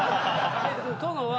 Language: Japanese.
殿は。